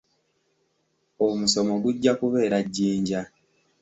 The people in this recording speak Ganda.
Omusomo gujja kubeera Jinja.